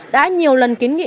đã nhiều lần kiến nghị